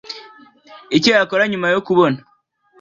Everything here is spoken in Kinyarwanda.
icyo yakora nyuma yo kubona